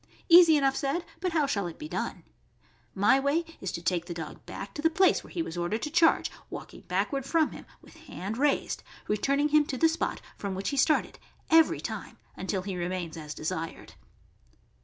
Easy enough said, but how shall it be done? My way is to take the dog back to the place where he was ordered to charge, walking backward from him, with hand raised, returning him to the spot from which he started every time until he remains us desired.